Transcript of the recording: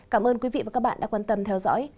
cảm ơn quý vị và các bạn đã quan tâm theo dõi